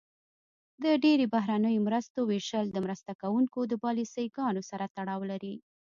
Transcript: د ډیری بهرنیو مرستو ویشل د مرسته کوونکو د پالیسي ګانو سره تړاو لري.